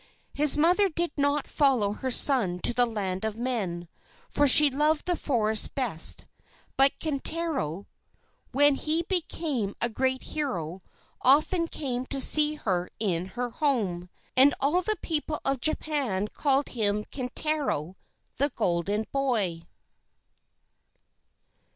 His mother did not follow her son to the land of men, for she loved the forest best; but Kintaro, when he became a great hero, often came to see her in her home. And all the people of Japan called him "Kintaro the Golden Boy."